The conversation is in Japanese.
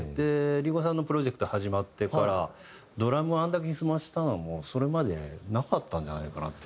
林檎さんのプロジェクト始まってからドラムをあれだけ歪ませたのもそれまでなかったんじゃないかなって。